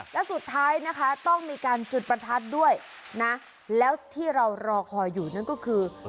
และสุดท้ายนะคะต้องมีการจุดประทัดด้วยนะแล้วที่เรารอคอยอยู่นั่นก็คือ